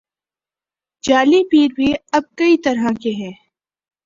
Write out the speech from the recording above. جعلی پیر بھی اب کئی طرح کے ہیں۔